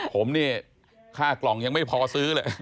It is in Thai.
ผมเนี่ยค่ากล่องยังไม่พอซื้อเลย